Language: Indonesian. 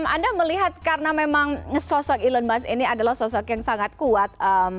anda melihat karena memang sosok elon musk ini adalah sosok yang sangat kuat